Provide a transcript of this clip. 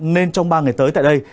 nên trong ba ngày tới tại đây